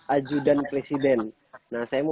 ajudan presiden nah saya mau